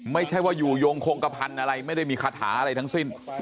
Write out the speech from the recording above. ไม่ใช่ว่าอยู่โยงโครงกระพันธ์อะไรไม่ได้มีคาถาอะไรทั้งสิ้น